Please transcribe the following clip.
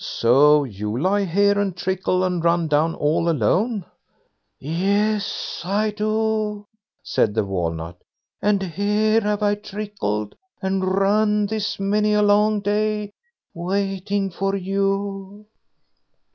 "So you lie here, and trickle and run down all alone?" "Yes, I do," said the Walnut; "and here have I trickled and run this many a long day, waiting for you."